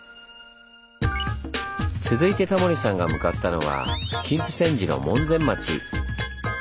続いてタモリさんが向かったのは金峯山寺の門前町。